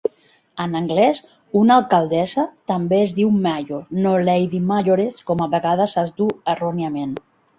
En anglès, una alcaldessa també es diu "mayor" no "Lady Mayoress" com a vegades es dur erròniament.